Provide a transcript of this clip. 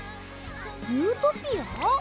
ユートピア？